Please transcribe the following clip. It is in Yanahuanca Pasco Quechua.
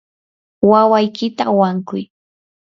wawaykita wankuy.